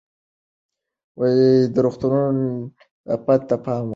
د روغتونونو نظافت ته پام وکړئ.